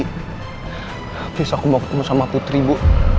habis aku mau ketemu sama putri bu